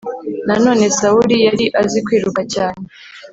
Nanone Sawuli yari azi kwiruka cyane